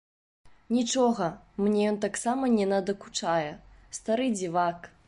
Нічога, мне ён таксама не надакучае, стары дзівак.